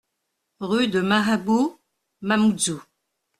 RUE DE MAHABOU, Mamoudzou